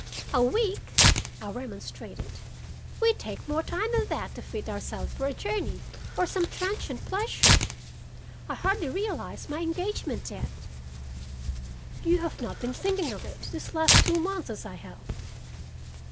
"A week!" I remonstrated. "We take more time than that to fit ourselves for a journey or some transient pleasure. I hardly realize my engagement yet." "You have not been thinking of it for these last two months as I have."